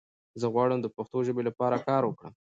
زۀ غواړم د پښتو ژبې لپاره کار وکړم!